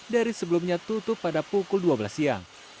dari sebelumnya tutup pada pukul dua belas siang